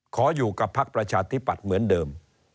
ขออยู่กับพักประชาธิปัตย์เหมือนเดิม